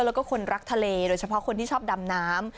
แล้วก็คนรักทะเลโดยเฉพาะคนที่ชอบดำน้ำ